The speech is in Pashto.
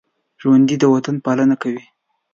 ژوندي د وطن پالنه کوي